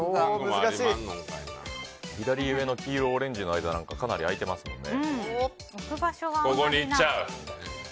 左上の黄色、オレンジの間はかなり空いていますので。